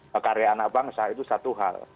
pekarya anak bangsa itu satu hal